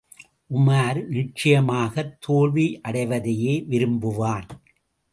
உமார் நிச்சயமாகத் தோல்வியடைவதையே விரும்புவான்.